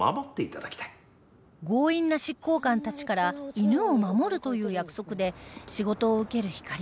強引な執行官たちから犬を守るという約束で仕事を受けるひかり